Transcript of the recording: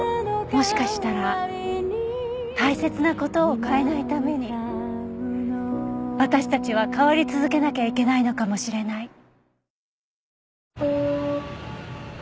もしかしたら大切な事を変えないために私たちは変わり続けなきゃいけないのかもしれない。